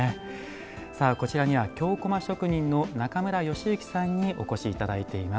こちらには京こま職人の中村佳之さんにお越しいただいています。